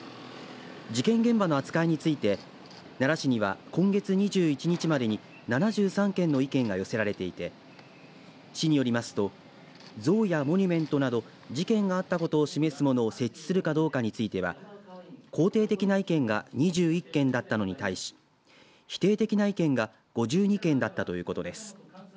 事件現場の扱いについて奈良市には今月２１日までに７３件の意見が寄せられていて市によりますと像やモニュメントなど事件があったことを示すものを設置するかどうかについては肯定的な意見が２１件だったのに対し否定的な意見が５２件だったということです。